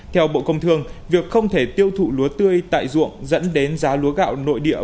theo bộ công thương việc không thể tiêu thụ lúa tươi tại ruộng dẫn đến giá lúa gạo nội địa